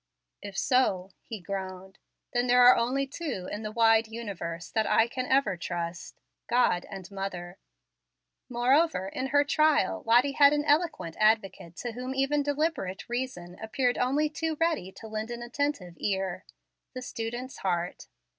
"If so," he groaned, "then there are only two in the wide universe that I can ever trust, God and mother." Moreover, in her trial, Lottie had an eloquent advocate to whom even deliberate reason appeared only too ready to lend an attentive ear, the student's heart.